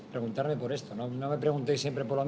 pertanya ketika kita bermain di salam